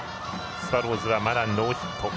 スワローズはまだノーヒット。